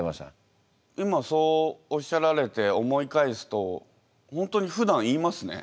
今そうおっしゃられて思い返すと本当にふだん言いますね。